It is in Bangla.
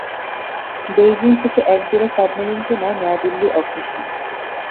বেইজিং থেকে একজোড়া সাবমেরিন কেনায় নয়াদিল্লি অখুশি।